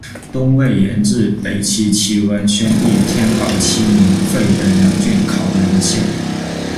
东魏沿置，北齐齐文宣帝天保七年，废北梁郡、考阳县。